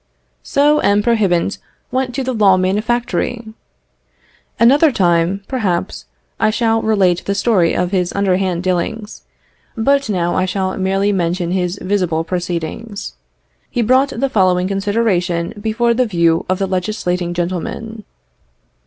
So M. Prohibant went to the law manufactory. Another time, perhaps, I shall relate the story of his underhand dealings, but now I shall merely mention his visible proceedings. He brought the following consideration before the view of the legislating gentlemen.